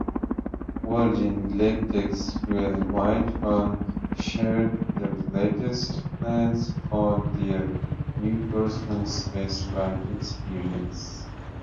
Virgin Galactic's Will Whitehorn shared the latest plans for their new personal spaceflight experience.